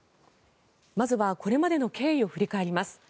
まずはこれまでの経緯を振り返ります。